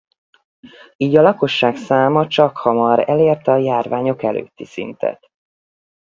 Így a lakosság száma csakhamar elérte a járványok előtti szintet.